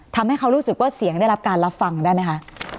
ทำให้เขารู้สึกว่าเสียงได้รับการรับฟังได้ไหมคะ